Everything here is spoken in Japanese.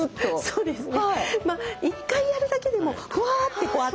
そうですね